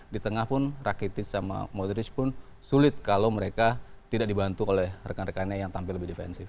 di tengah pun rakitis sama modris pun sulit kalau mereka tidak dibantu oleh rekan rekannya yang tampil lebih defensif